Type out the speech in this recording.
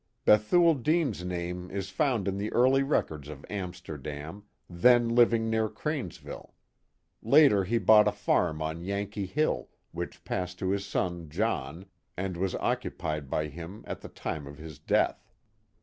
Bethue! Dean's name is found in the early records of Amsterdam, then living near Cranesville. Later he bought a farm on Yankee Hill, which passed to his son, John, and was occupied by him at the time of his death.